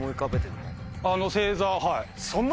星座はい。